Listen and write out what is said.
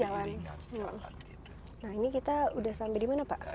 nah ini kita sudah sampai di mana pak